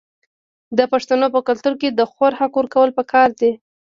د پښتنو په کلتور کې د خور حق ورکول پکار دي.